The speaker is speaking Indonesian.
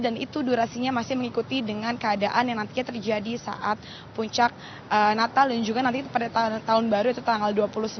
dan itu durasinya masih mengikuti dengan keadaan yang nantinya terjadi saat puncak natal dan juga nanti pada tahun baru yaitu tanggal dua puluh sembilan